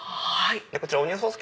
こちらオニオンソース